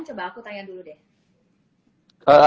coba aku tanya dulu deh